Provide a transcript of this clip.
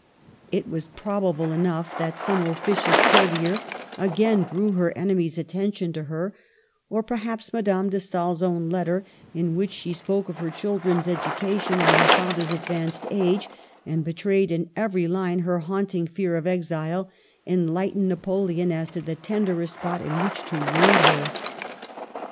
It is probable enough that some officious courtier again drew her enemy's attention to her ; or perhaps Madame de Stael's own letter, in which she spoke of her children's education and her father's advanced age, and be trayed in every line her haunting fear of exile, enlightened Napoleon as to the tenderest spot in which to wound her.